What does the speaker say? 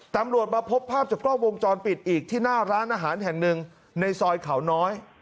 ตำรวจมาพบภาพจากกล้องวงจรปิดอีกที่หน้าร้านอาหารแห่งหนึ่งในซอยเขาน้อย